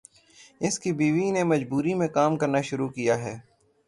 اس کی بیوی نے مجبوری میں کام کرنا شروع کیا ہے۔